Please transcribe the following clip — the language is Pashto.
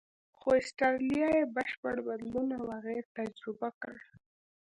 خو استرالیا یې بشپړ بدلون او اغېز تجربه کړ.